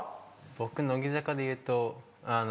僕乃木坂でいうとあの。